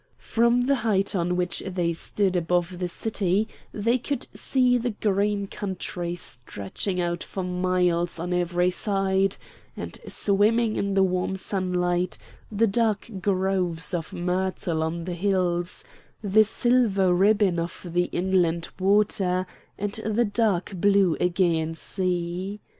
From the height on which they stood above the city they could see the green country stretching out for miles on every side and swimming in the warm sunlight, the dark groves of myrtle on the hills, the silver ribbon of the inland water, and the dark blue AEgean Sea.